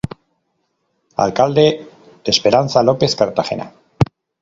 Alcalde:Esperanza Lopez Cartagena.